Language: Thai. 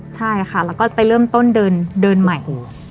ใช่ค่ะแล้วก็ไปเริ่มต้นเดินใหม่